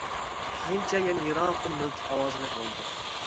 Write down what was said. كېيىنچە يەنە يىراقتىن مىلتىق ئاۋازىنى ئاڭلىدۇق.